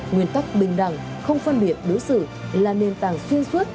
nguyên tắc bình đẳng không phân biệt đối xử là nền tảng xuyên suốt